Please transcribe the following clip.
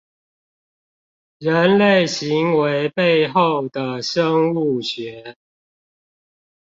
人類行為背後的生物學